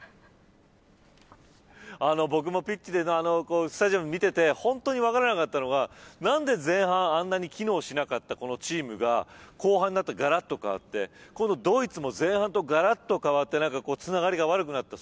僕もピッチでスタジアムで見ていて、本当に危なかったのが何で前半あんなに機能していなかったチームが後半でがらっと変わってドイツも前半とがらっと変わってつながりが悪くなった。